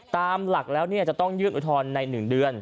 ตามหลักแล้วจะต้องยื่นอุทธรณ์ใน๑เดือน